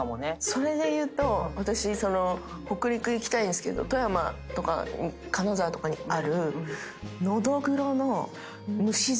それで言うと私北陸行きたいんですけど富山とか金沢とかにあるのどぐろの蒸し寿司。